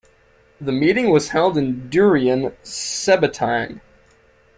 The meeting was held in Durian Sebatang.